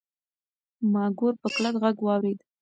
ما ګور په کلک غږ واورېد.